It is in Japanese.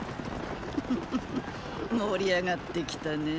ククク盛り上がってきたねー。